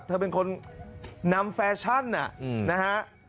เธอเป็นคนนำแฟชั่นนะฮะ